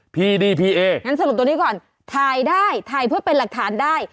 ดีพีเองั้นสรุปตรงนี้ก่อนถ่ายได้ถ่ายเพื่อเป็นหลักฐานได้